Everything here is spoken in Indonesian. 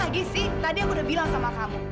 apa lagi sih tadi aku udah bilang sama kamu